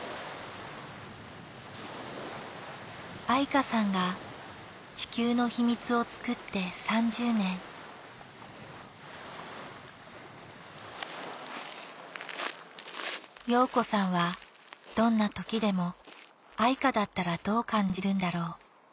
愛華さんが『地球の秘密』を作って３０年揚子さんはどんな時でも「愛華だったらどう感じるんだろう」